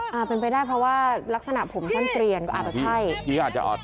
อ่าเป็นไปได้เพราะว่ารักษณะผมสั้นเตรียนอาจจะใช่